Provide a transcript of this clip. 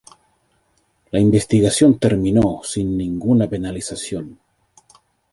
La investigación terminó sin ninguna penalización.